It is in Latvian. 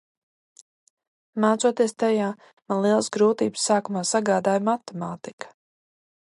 Mācoties tajā, man lielas grūtības sākumā sagādāja matemātika.